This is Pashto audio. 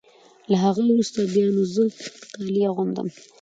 له هغه وروسته بیا نو زه کالي اغوندم.